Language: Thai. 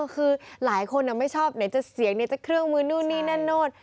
คือหลายคนไม่ชอบไหนจะเสียงไหนจะเครื่องมือนู่นนี่นั่นนู่น